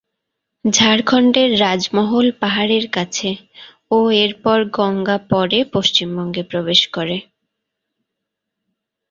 ঝাড়খন্ডের রাজমহল পাহাড়ের কাছে ও এর পর গঙ্গা পরে পশ্চিমবঙ্গে প্রবেশ করে।